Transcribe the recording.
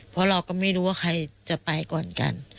เพราะเราก็ไม่รู้ว่าใครจะไปก่อนกัน